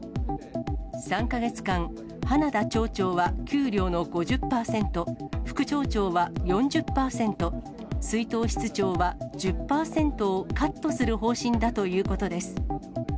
３か月間、花田町長は給料の５０％、副町長は４０％、出納室長は１０％をカットする方針だということです。